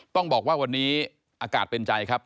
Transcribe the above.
ต้องบอกว่าวันนี้อากาศเป็นใจครับ